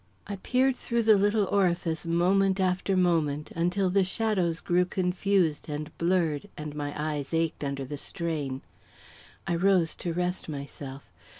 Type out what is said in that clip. I peered through the little orifice moment after moment, until the shadows grew confused and blurred and my eyes ached under the strain. I rose to rest myself.